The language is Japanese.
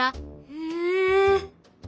へえ。